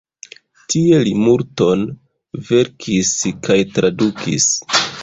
Tie li multon verkis kaj tradukis.